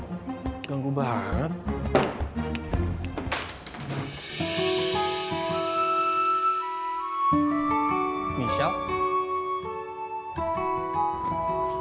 sorry tapi gue bakal tetep ketemu sama rifqi